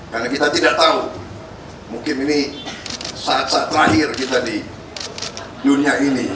karena kita tidak tahu mungkin ini saat saat terakhir kita di dunia ini